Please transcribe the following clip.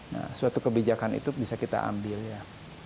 nah suatu kebijakan itu bisa kita ambil ya